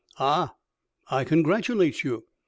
"Ah! I congratulate you.